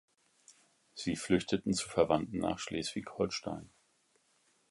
Sie flüchteten zu Verwandten nach Schleswig-Holstein.